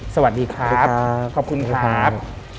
สวัสดีครับขอบคุณครับ